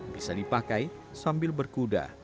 bisa dipakai sambil berkuda